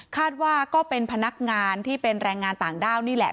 ก็เป็นพนักงานที่เป็นแรงงานต่างด้าวนี่แหละ